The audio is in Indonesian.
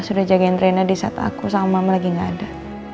sudah jagain trainer di set aku sama mama lagi gak ada